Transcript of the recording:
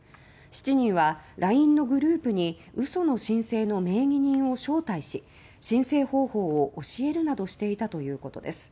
７人は、ＬＩＮＥのグループに嘘の申請の名義人を招待し申請方法を教えるなどしていたということです。